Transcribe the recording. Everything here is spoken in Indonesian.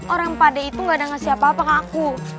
orang pak d itu gak ngasih apa apa ke aku